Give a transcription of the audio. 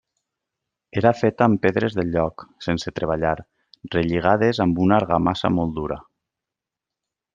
Era feta amb pedres del lloc, sense treballar, relligades amb una argamassa molt dura.